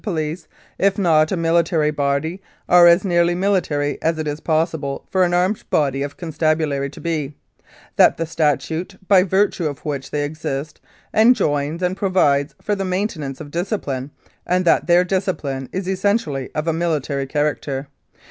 Police, if not a military body, are as nearly military as it is possible for an armed body of Constabulary to be; that the Statute by virtue of which they exist enjoins and provides for the main tenance of discipline, and that their discipline is essenti ally of a military character.